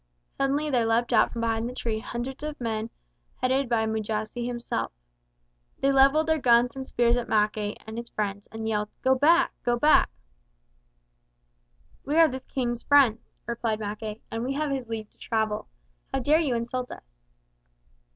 Suddenly there leapt out from behind the trees of the wood hundreds of men headed by Mujasi himself. They levelled their guns and spears at Mackay and his friends and yelled, "Go back! Go back!" "We are the King's friends," replied Mackay, "and we have his leave to travel. How dare you insult us?"